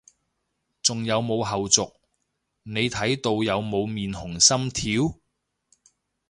仲有冇後續，你睇到有冇面紅心跳？